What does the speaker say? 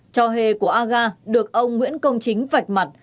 trò hề của aga được ông nguyễn công chính vạch mặt